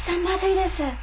まずいです。